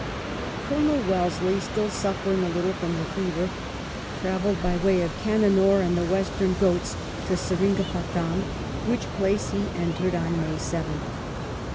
Colonel Wellesley, still suffering a little from the fever, travelled by way of Cannanore and the Western Ghauts to Seringapatam, which place he entered on 56 WELLINGTON chap. May 7th.